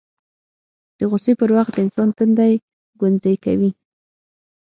د غوسې پر وخت د انسان تندی ګونځې کوي